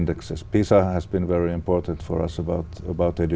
giữa việt nam và việt nam